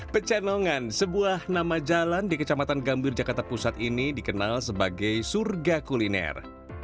pecenongan sebuah nama jalan di kecamatan gambir jakarta pusat ini dikenal sebagai surga kuliner